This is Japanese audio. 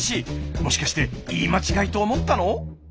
もしかして言い間違いと思ったの？